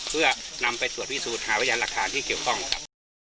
เพื่อนำไปตรวจพิสูจน์หาพยานหลักฐานที่เกี่ยวข้องครับ